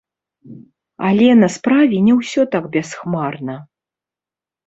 Але на справе не ўсё так бясхмарна.